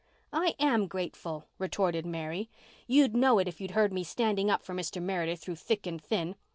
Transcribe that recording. "I am grateful," retorted Mary. "You'd know it if you'd heard me standing up for Mr. Meredith through thick and thin.